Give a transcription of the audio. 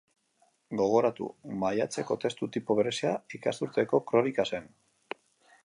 Gogoratu; maiatzeko testu tipo berezia ikasturteko kronika zen.